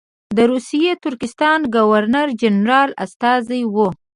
د روسي ترکستان ګورنر جنرال استازی وو.